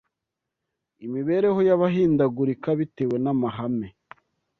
imibereho y’abahindagurika bitewe n’amahame